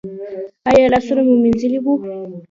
ایا لاسونه مو مینځلي وو؟